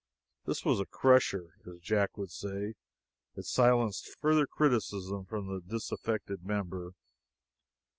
This was a crusher, as Jack would say. It silenced further criticism from the disaffected member.